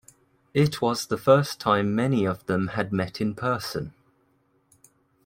It was the first time many of them had met in person.